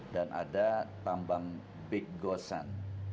dan ada tambang big gosen